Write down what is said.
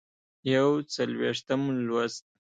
یوڅلوېښتم لوست